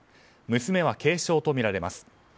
娘は軽傷とみられます。